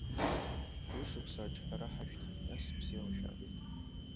Ҩышықәса аҿҳәара ҳашәҭ, нас бзиала шәаабеит!